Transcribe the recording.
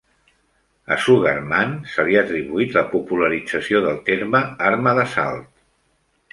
A Sugarmann se li ha atribuït la popularització del terme "arma d'assalt".